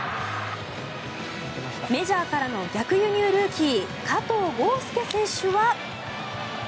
メジャーからの逆輸入ルーキー加藤豪将選手は。